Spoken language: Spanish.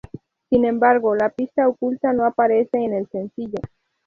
Sin embargo, la pista oculta no aparece en el sencillo.